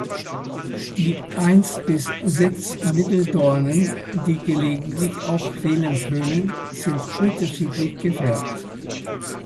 Die ein bis sechs Mitteldornen, die gelegentlich auch fehlen können, sind unterschiedlich gefärbt.